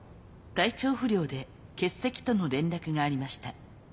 体調不良で欠席との連絡がありました。